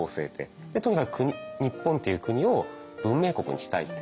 とにかく日本っていう国を文明国にしたいって。